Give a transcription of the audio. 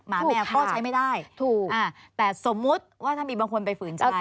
แมวก็ใช้ไม่ได้ถูกอ่าแต่สมมุติว่าถ้ามีบางคนไปฝืนใจ